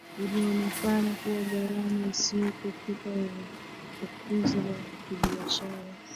ulionekana kuwa gharama isiyoepukika ya ukuzi wa kibiashara